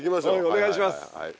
お願いします。